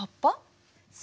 そう。